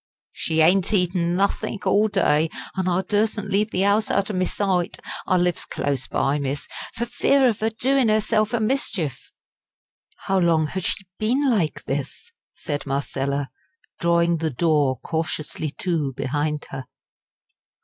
"She ain't eatin' nothink all day, an' I dursen't leave the 'ouse out o' me sight I lives close by, miss for fear of 'er doing 'erself a mischief." "How long has she been like this?" said Marcella, drawing the door cautiously to behind her.